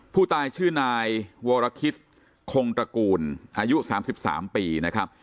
ผู้ตายชื่อนายวรคิสคงตระกูลอายุ๓๓ปีนะครับ